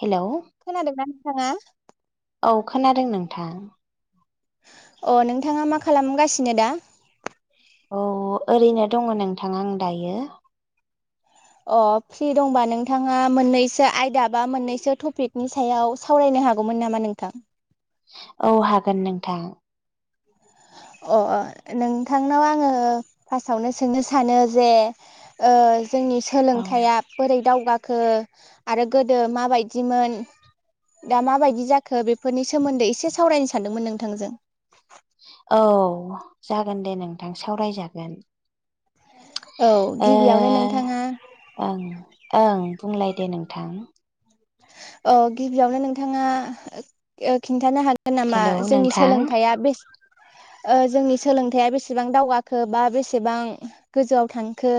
Hello [inaudible] खोनादोंना नोंथाङा? औ खोनादों नोंथां? अ नोंथाङा मा खालामगासिनो दा? औ ओरैनो दङ नोंथां आं दायो। अ फ्रि दंबा नोंथाङा मोननैसो आयदा बा मोननैसो टपिकनि सायाव सावरायनो हागौमोन नामा नोंथां? औ हागोन नोंथां । अ अ नोंथांनाव आङो फार्स्टावनो सोंनो सानो जे ओ जोंनि औ सोलोंथाइआ बोरै दावगा खो आरो गोदो माबायदिमोन दा माबायदि जाखो बेफोरनि सोमोन्दै एसे सावरायनो सानदोंमोन नोंथांजों । औ जागोन दे नोंथां सावरायजागोन। औ ओ गिबियावनो नोंथाङा ओं । ओं बुंलाय दे नोंथां औ गिबियावनो नोंथाङा ओ खिन्थानो हागोन गोन नामा हेलौ जोंनि नोंथां सोलोंथाइया बेस ओ जोंनि सोलोंथाइया बेसेबां दावगाखो बा बेसेबां गोजौआव थांखो?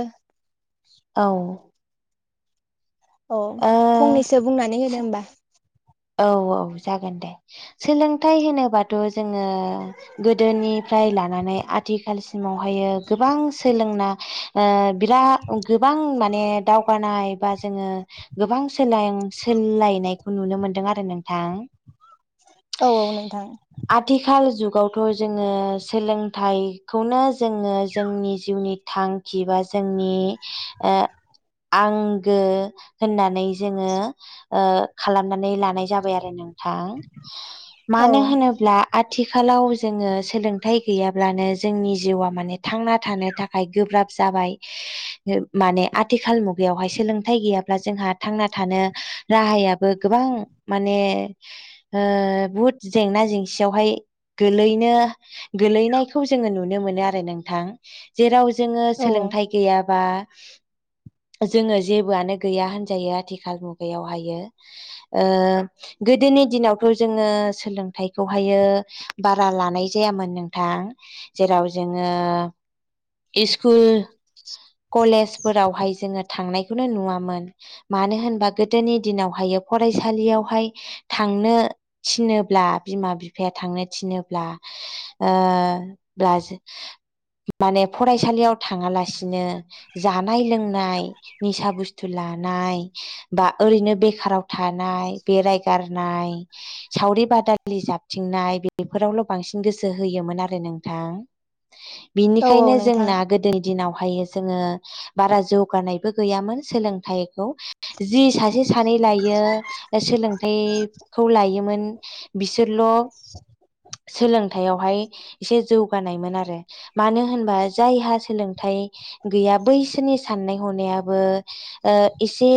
औ औ ओ फंनैसो बुंनानै होदो होमबा। औ औ जागोन दे सोलोंथाइ होनोबाथ जोङो गोदोनिफ्राय लानानै आथिखालस सिमावहायो गोबां सोलोंना ओ बिराद गोबां माने दावगानाय बा जोङो गोबां सोलायनायखौ नुनो मोन दों आरो नोंथां। औ औ नोंथां आथिखाल जुग गावथ जोङो सोलोंथाइखौनो जोङो जोंनि जिउनि थांखि बा जोंनि ओ आंगो होननानै जोङो ओ खालामनानै ला नाय जाबाय आरो नोंथां। औ मानो होनोब्ला आथिखालाव जोङो सोलोंथाइ गैयाब्लानो जोंनि जिउआ माने थांना थानो थाखाय गोब्राब जाबाय माने आथिखाल मुगायावहाय सोलोंथाइ गैयाब्ला जोंहा थांना थानो राहायाबो गोबां माने बहुद जेंना जेंसियावहाय गोलैनो गोलैनायखौ जोङो नुनो मोनो आरो नोंथां जेराव जोङो औ सोलोंथाइ गैया बा जोङो जेबोआनो गैया होनजायो आथिखाल मुगायावहायो ओ गोदोनि दिनावथ जोङो सोलोंथाइखौहायो बारा लानाय जायामोन नोंथां। जेराव जोङो इस्कुल कलेजफोरावहाय जोङो थांनायखौनो नुवामोन मानो होनबा गोदोनि दिनावहाय फरायसालियाव हाय थांनो थिनोब्ला बिमा बिफाया थांनो थिनोब्ला ओ माने फरायसालियाव थाङालासे नो जानाय लोंनाय निसा बुस्थु ला नाय बा ओरैनो बेखाराव थानाय बेरायगारनाय सावरि बादालि जाबथिंनाय बेफोरावल बांसिन गोसो होयोमोन आरो नोंथां। औ औ बिनिखायनो नोंथां जोंना गोदोनि दिनाव हायो जोङो बारा जौगानायबो गैयामोन सोलोंथाइ खौ जि सासे सानै लायो सोलोंथाइखौ लोयोमोन बि बिसोरल सोलों थाइ आवहाय एसे जौगानायमोन आरो मानो होनबा जायहा सोलोंथाइ गैया बैसोरनि साननाय हनायाबो ओ इसे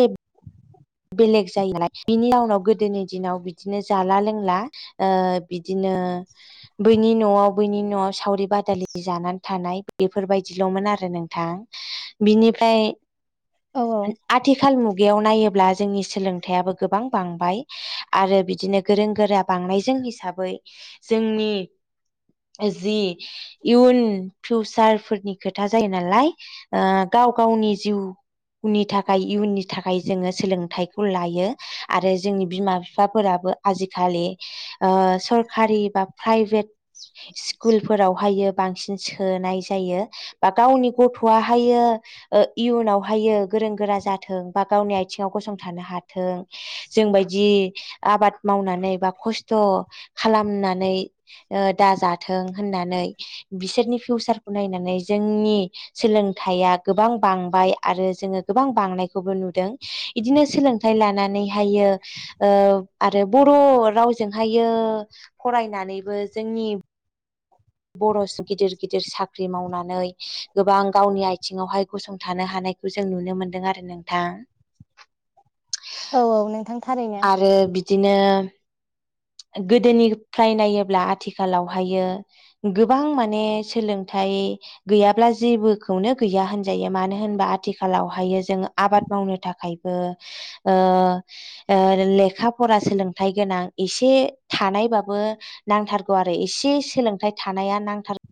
बेलेग जायो बेनि उनाव गोदोनि दिनाव बिदिनो जाला लोंला ओ बिदिनो बैनि नआव बैनि नआव सावरि बादालि जानानै थानाय बेफोरबायदिलमोन आरो नोंथां। बिनिफ्राय औ आथिखाल मुगायाव नायोब्ला जोंनि सोलोंथायाइयाबो गोबां बांबाय आरो बिदिनो गोरों गोरा बांनायजों हिसाबै जोंनि जि इयुन फिउचार फोरनि खोथा जायो नालाय गाव गावनि जिउनि थाखाय इयुननि थाखाय जोङो सोलों सोंथाइ लायो आरो जोंनि बिमा बिफाफोराबो आजिखालि ओ सरखारि बा प्राइभेट स्कुलफोरावहायो बांसिन सोनाय जायो। बा गावनि गथआहायो इयुनावहायो गोरों गोरा जाथों बा गावनि आथिङाव गसंथा थानो हाथों जोंबायदि आबाद मावनानै बा खस्थ खालामनानै ओ दाजाथों होननानै बिसोरनि फिउसारखौ नायनानै जोंनि सोलोंथाइया गोबां बांबाय आरो जोङो गोबां बांनायखौबो नुदों। बिदिनो सोलोंथाइ लानानैहायो आरो बर रावजोंहायो फरायनानैबो जोंनि बर गिदिर-गिदिर साख्रि मावनानै गोबां गावनि आथिङावहाय गसंथानो हानायखौ जों नुनो मोनदों आरो नोंथां। औ औ नोंथां थारैनो आरो बिदिनो गोदोनिफ्राय नायोब्ला आथिखालावहायो गोबां माने सोलोंथाइ गैयाब्ला जेबोखौनो गैया होनजायो मानो होनबा आथिखालावहायो जोङो आबाद मावनो थाखायबो ओ लेखा फरा सोलोंथाइ गोनां एसे थानायबाबो नांथारगौ आरो एसे सोलोंथाइ थानाया नांथारगौ।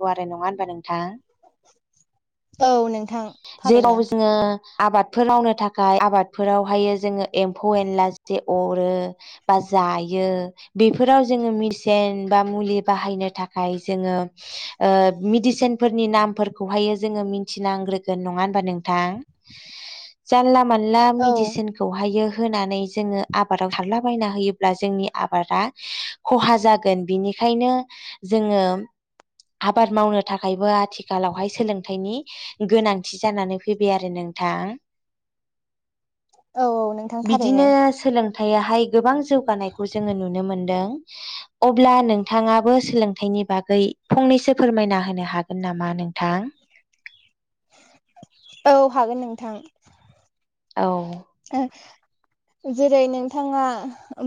गु आरो नङा नोंथां औ नोंथां थारैनो जेरावबो जोङो आबादफोर मावनो थाखाय आबादफोरावहायो जोङो एम्फौ एनला ज अरो बा जायो बेफोराव जोङो मेसेन बा मुलि बाहायनो थाखाय जोङो ओ मेडिसिन फोरनि नामफोरखौहायो जोङो मिथिनांग्रोगोन नङा होनबा नोंथां जानला मोनला औ मेदिसिनखौ हायो होनानै जोङो आबादाव खारलाबायायना होयोब्ला जोंनि आबादा खहा जागोन बिनिखायनो जोङो आबाद मावनो थाखायबो आथिखालावहाय सोलोंथायाइनि गोनांथि जानानै फैबाय आरो नोंथां। औ औ नोंथां बिदिनो थारैनो सोलोंथाइ [unintelligible] हाय गोबां जौगानायखौ जोङो नुनो मोनदों। अब्ला नोंथाङाबो सोलोंथाइनि बागै फंनैसो फोरमायना होनो हागोन नामा नोंथां? औ हागोन नोंथां। औ। [unintelligible] जेरै नोंथाङा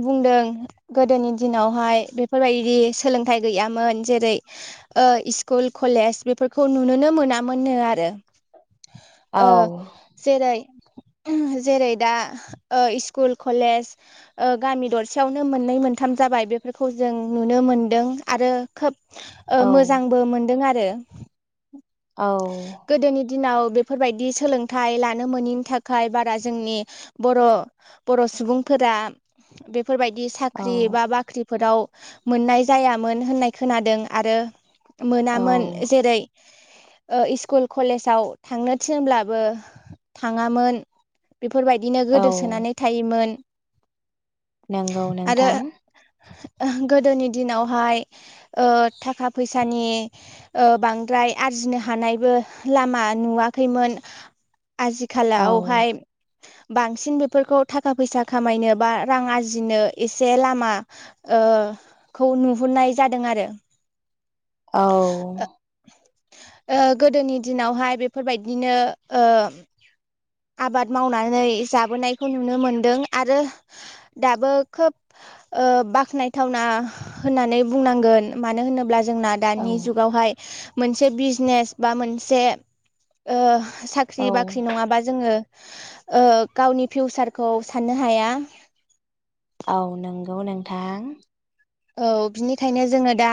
बुंदों गोदोनि दिनावहाय बेफोरबायदि सोलोंथाइ गैयामोन जेरै ओ स्कुल कलेज बेफोरखौ नुुनोनो मोनामोननो आरो। औ ओ जेरै [unintelligible] जेरै दा स्कुल ओ कलेज गामि दरसेयावनो मोननै मोनथाम जाबाय बेफोरखौ जों नुनो मोनदों आरो खोब ओ औ मोजांबो मोनदों आरो। दो। औ। दिनाव बेफोरबायदि सोलोंथाइ लानो मैनि थाखाय बारा जोंनि बर, बर सुबुंफोरा बेफोरबायदि औ साख्रि बा बाख्रिफोराव मोननाय जायामोन होननाय खोनादों आरो औ मोनामोन जेरै ओ इस्कुल कलेजाव थांनो थिनब्लाबो थाङामोन। बेफोरबायदिनो गोदोसोनानै थायोमोन। नोंगौ नोंथां। ओ गोदोनि दिनावहाय ओ थाखा फैसानि ओ बांद्राय आरजिनो हा हानायबो लामा नुवाखैमोन। औ आजिखालावहाय बांसिन बेफोरखौ थाखा-फैसा खामायनो बा रां आरजिनो एसे लामा ओ खौ नुहुरनाय जादों आरो। औ ओ गोदोनि दिनावहाय बेफोरबायदिनो ओ आबाद मावनानै जाबोनायखौ नुनो मोनदों आरो दाबो खोब ओ बाख्नायथावना होननानै बुंनांगोन मानो होनोब्ला जोंना औ दानि जुगावहाय मोनसे बिजनेस बा मोनसे ओ साख्रि औ बाख्रि नङाबा जोङो ओ गावनि फिउसारखौ साननो हाया। औ नोंगौ नोंथां औ बिनिखायनो जोङो दा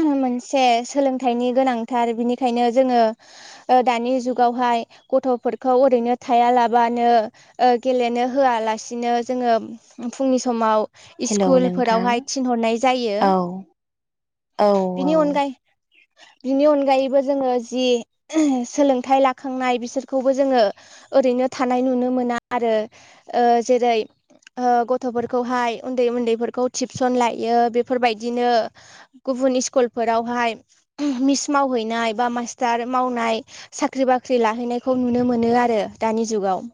उम मोनसे सोलोंथाइनि गोनांथार बिनिखायनो जोङो दानि जुगावहाय गथ'फोरखौ ओरैनो थायालाबानो ओ गेलेनो होआलासिनो जोङो फुंनि समाव हेलौ इस्कुल नोंथां फोरावहाय थिनहरनाय जायो औ औ बिनि औ अनगायै बिनि अनगायैबो जोङो जि उम सोलोंथाइ लाखांनाय बिसोरखौबो जोङो ओरैनो थानाय नुनो मोना आरो ओ जेरै ओ गथ'फोरखौहाय उन्दै-उन्दैफोरखौ टिबसन लायो। बेफोरबायदिनो गुबुन इस्कलफोरावहाय मिस मावहैनाय बा मास्टार मावनाय, साख्रि-बाख्रि लाहैनायखौ नुनो मोनो आरो दानि जुगाव।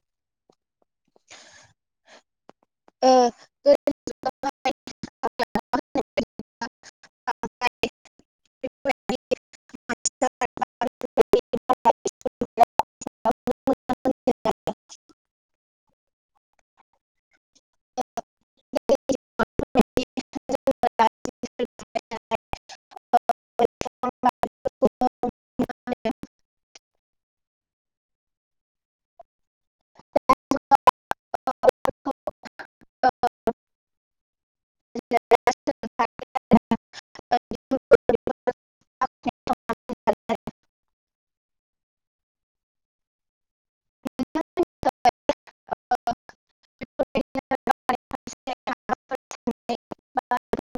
ओ गोदोनि [unintelligible] [unintelligible] [unintelligible] औ [unintelligible] [unintelligible] [unintelligible]